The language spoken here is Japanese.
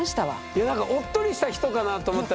いやなんかおっとりした人かなと思ったら。